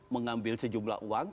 mengambil sejumlah uang